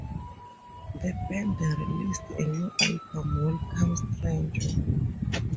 The band released a new album Welcome, Stranger!